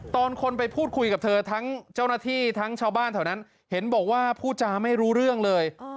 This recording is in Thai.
ตอนคนไปพูดคุยกับเธอทั้งเจ้าหน้าที่ทั้งชาวบ้านแถวนั้นเห็นบอกว่าพูดจาไม่รู้เรื่องเลย